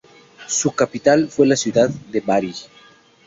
Su capital fue la ciudad de Bari.